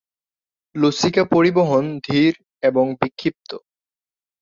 লসিকা পরিবহন ধীর এবং বিক্ষিপ্ত।